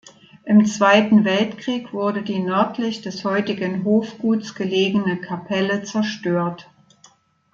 Im Zweiten Weltkrieg wurde die nördlich des heutigen Hofguts gelegene Kapelle zerstört.